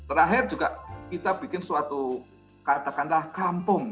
terakhir juga kita bikin suatu katakanlah kampung